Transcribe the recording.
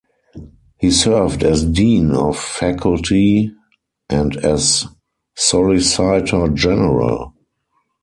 He served as Dean of Faculty and as Solicitor General.